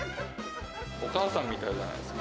お母さんみたいじゃないですか？